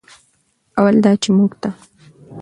اول دا چې موږ ته